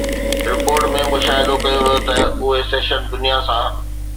report ۾ مشاهدو ڪيو ويو ته اهي سيشن دنيا سان